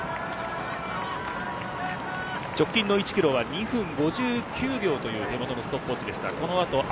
直近の１キロは２分５９秒というストップウオッチでした。